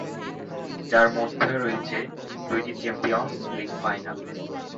যার মধ্য রয়েছে দুইটি চ্যাম্পিয়ন্স লীগ ফাইনাল।